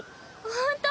ほんと？